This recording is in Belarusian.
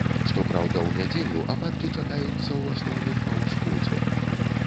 Што праўда, у нядзелю ападкі чакаюцца ў асноўным па ўсходзе.